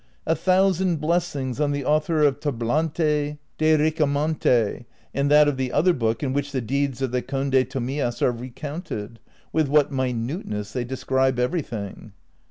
A thoiisand blessings on the author of " Tablante de Ricamonte," and that of the other book in which the deeds of the Conde Tomillas are recounted ; with what minuteness they describe everything